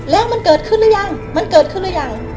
แล้วมันเกิดขึ้นหรือยังมันเกิดขึ้นหรือยัง